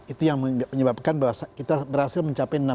itu yang menyebabkan bahwa kita berhasil mencapai enam puluh